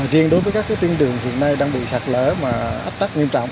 riêng đối với các tuyến đường hiện nay đang bị sạt lở áp tác nghiêm trọng